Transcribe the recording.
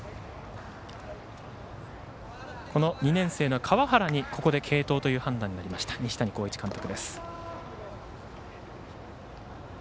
２年生の川原に継投という判断になりました、西谷浩一監督。